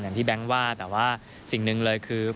แบงค์ว่าแต่ว่าสิ่งหนึ่งเลยคือ